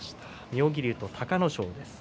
妙義龍と隆の勝です。